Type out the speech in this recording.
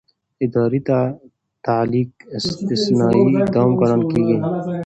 اداري تعلیق استثنايي اقدام ګڼل کېږي.